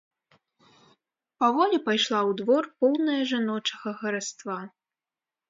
Паволі пайшла ў двор, поўная жаночага хараства.